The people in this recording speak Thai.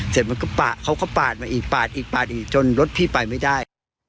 เสร็จมันก็ปาดเขาก็ปาดมาอีกปาดอีกปาดอีกจนรถพี่ไปไม่ได้